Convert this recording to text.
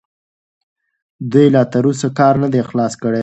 دوی لا تراوسه کار نه دی خلاص کړی.